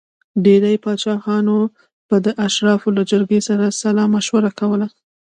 ډېری پاچاهانو به د اشرافو له جرګې سره سلا مشوره کوله.